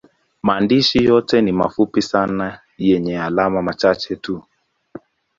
Maandishi yote ni mafupi sana yenye alama chache tu.